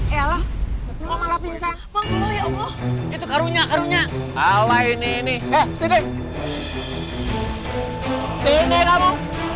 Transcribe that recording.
ya allah malah pingsan itu karunya karunya allah ini sini sini kamu